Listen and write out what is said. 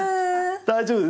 大丈夫です。